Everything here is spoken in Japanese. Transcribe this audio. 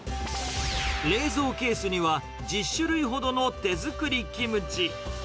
冷蔵ケースには１０種類ほどの手作りキムチ。